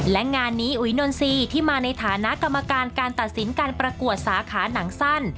และงานนี้อุ๋ยนนทรีย์ที่มาในฐานะกรรมการการตัดสินการประกวดสาขาหนังสั้น